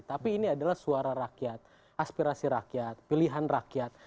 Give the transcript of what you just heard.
tapi ini adalah suara rakyat aspirasi rakyat pilihan rakyat